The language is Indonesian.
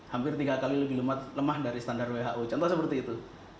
hampir tiga kali lebih lemah dari standar who contoh seperti itu